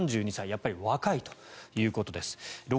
やっぱり若いということです。